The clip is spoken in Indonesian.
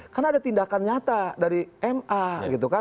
karena ada tindakan nyata dari ma gitu kan